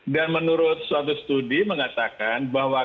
dan menurut suatu studi mengatakan bahwa